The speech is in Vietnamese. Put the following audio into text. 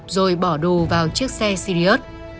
rồi bỏ đồ vào chiếc xe sirius